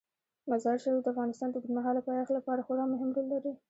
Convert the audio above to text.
مزارشریف د افغانستان د اوږدمهاله پایښت لپاره خورا مهم رول لري.